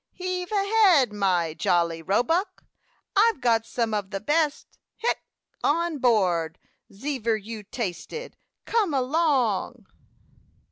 "Heave ahead, my jolly roebuck. I've got some of the best hic on board zever you tasted. Come along."